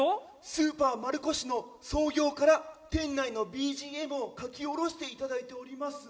スーパー丸越の創業から店内のＢＧＭを書き下ろしていただいております